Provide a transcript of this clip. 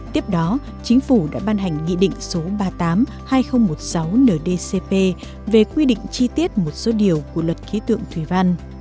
tiếp đó chính phủ đã ban hành nghị định số ba mươi tám hai nghìn một mươi sáu ndcp về quy định chi tiết một số điều của luật khí tượng thủy văn